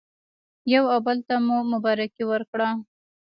یو او بل ته مو مبارکي ورکړه.